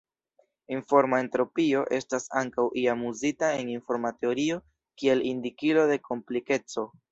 Informa entropio estas ankaŭ iam uzita en informa teorio kiel indikilo de komplikeco.